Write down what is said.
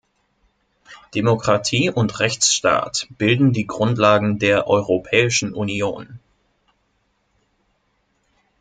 Demokratie und Rechtsstaat bilden die Grundlagen der Europäischen Union.